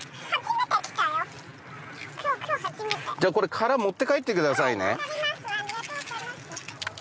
じゃあこれ殻持って帰ってくださいね。